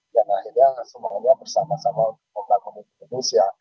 dan akhirnya semuanya bersama sama membangun indonesia